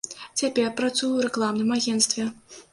Цяпер працую ў рэкламным агенцтве.